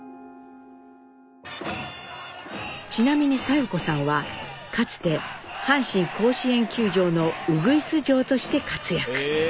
ちなみに佐代子さんはかつて阪神甲子園球場のウグイス嬢として活躍。